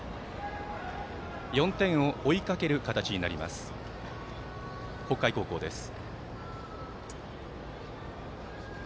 ４点を追いかける形になります北海高校です。